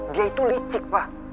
dia itu licik pak